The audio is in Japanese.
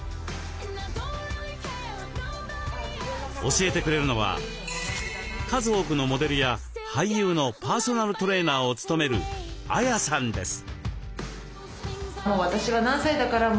教えてくれるのは数多くのモデルや俳優のパーソナルトレーナーを務めるＡＹＡさんです。